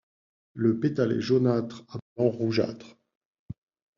Le pétale est jaunâtre à blanc rougeâtre.